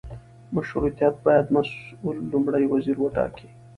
مشروطیت باید مسوول لومړی وزیر وټاکي.